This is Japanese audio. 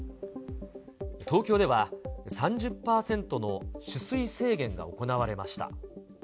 東京では３０％の取水制限が行われました。